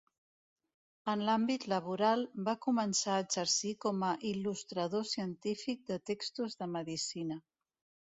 En l'àmbit laboral, va començar a exercir com a il·lustrador científic de textos de medicina.